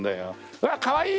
「うわあかわいい！」